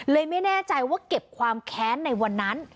ไม่แน่ใจว่าเก็บความแค้นในวันนั้น